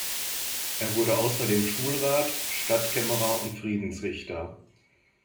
Er wurde außerdem Schulrat, Stadtkämmerer und Friedensrichter.